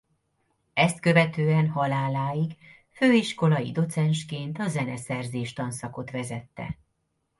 Ezt követően haláláig főiskolai docensként a zeneszerzés tanszakot vezette.